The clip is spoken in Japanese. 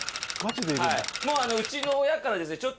もううちの親からですね。